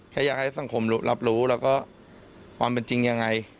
แค่อยากให้สังคมรับรู้แล้วก็ความเป็นจริงยังไง